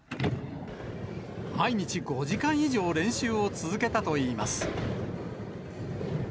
毎日５時間以上練習を続けたといいます。